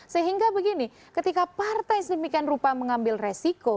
sehingga begini ketika partai sedemikian rupa mengambil resiko